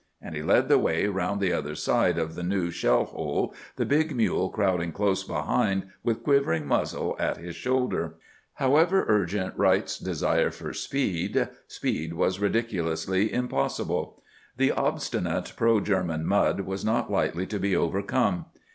And he led the way around the other side of the new shell hole, the big mule crowding close behind with quivering muzzle at his shoulder. However urgent Wright's desire for speed, speed was ridiculously impossible. The obstinate pro German mud was not lightly to be overcome.